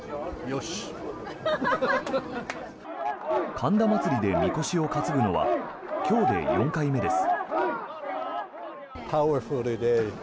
神田祭でみこしを担ぐのは今日で４回目です。